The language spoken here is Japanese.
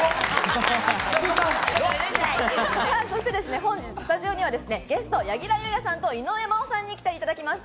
そして、本日スタジオにはゲスト・柳楽優弥さんと井上真央さんに来ていただきました。